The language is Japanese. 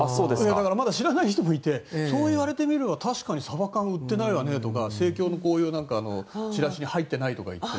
だからまだ知らない人もいてそう言われてみれば確かにサバ缶売ってないわねとか、生協のチラシに入っていないとかいって。